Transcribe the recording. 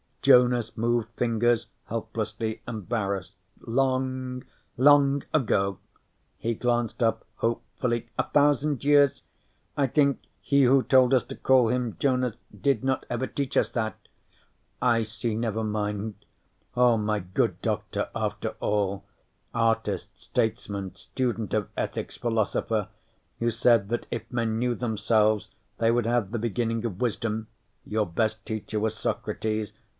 Jonason moved fingers helplessly, embarrassed. "Long, long ago." He glanced up hopefully. "A thousand years? I think he who told us to call him Jonas did not ever teach us that." "I see. Never mind." _Oh, my good Doctor after all! Artist, statesman, student of ethics, philosopher you said that if men knew themselves, they would have the beginning of wisdom. Your best teacher was Socrates.